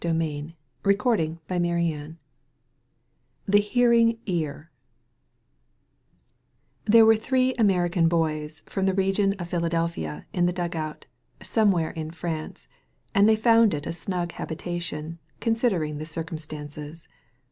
1S6 THE HEARING EAR THE HEARING EAR There were three American boys from the region of Philadelphia in the dugout, "Somewhere in France"; and they found it a snug habitation, considering the circumstances.